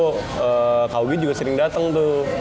kak augi juga sering dateng tuh